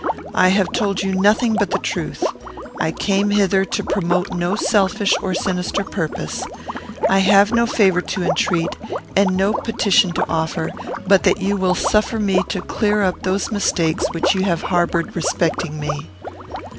I have told you nothing but the truth. I came hither to promote no selfish or sinister purpose. I have no favour to entreat, and no petition to offer, but that you will suffer me to clear up those mistakes which you have harboured respecting me.